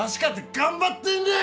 頑張ってんねん。